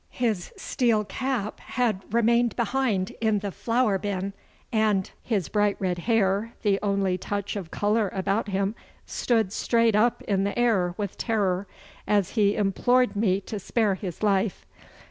His steel cap had remained behind in the flour bin, and his bright red hair, the only touch of colour about him, stood straight up in the air with terror, as he implored me to spare his life.